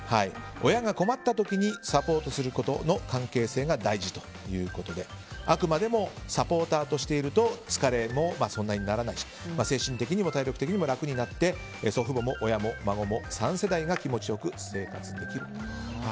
親が困った時にサポートすることの関係性が大事ということであくまでもサポーターとしていると疲れもそんなにならないし精神的にも体力的にも楽になって、祖父母も親も孫も３世代が気持ちよく生活できる。